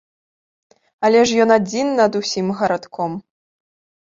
Але ж ён адзін над усім гарадком.